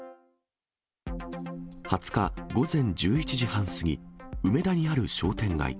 ２０日午前１１時半過ぎ、梅田にある商店街。